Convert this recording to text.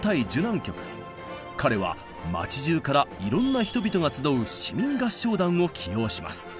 彼は町じゅうからいろんな人々が集う市民合唱団を起用します。